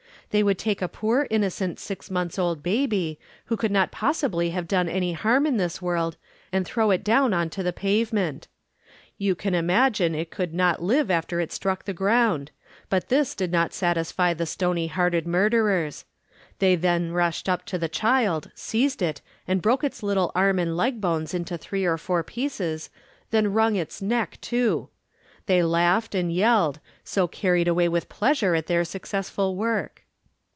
They would take a poor, innocent six months old baby, who could not possibly have done any harm in this world and throw it down on to the pavement. You can imagine it could not live after it struck the ground, but this did not satisfy the stony hearted murderers. They then rushed up to the child, seized it and broke its little arm and leg bones into three or four pieces, then wrung its neck too. They laughed and yelled, so carried away with pleasure at their successful work.